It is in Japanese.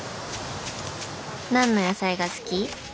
何の野菜が好き？